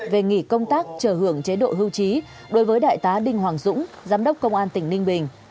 về nghỉ công tác chờ hưởng chế độ hưu trí đối với đại tá đinh hoàng dũng giám đốc công an tỉnh ninh bình